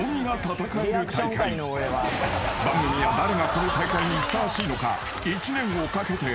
［番組は誰がこの大会にふさわしいのか］